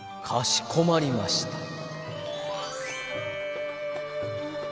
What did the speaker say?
「かしこまりました」。